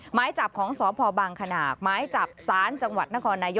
หมายจับของสพบางขนาดหมายจับศาลจังหวัดนครนายก